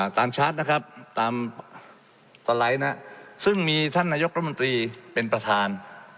ชาร์จนะครับตามสไลด์นะซึ่งมีท่านนายกรัฐมนตรีเป็นประธาน